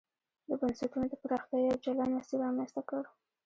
د بنسټونو د پراختیا یو جلا مسیر رامنځته کړ.